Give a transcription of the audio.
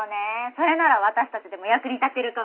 それなら私たちでも役に立てるかも。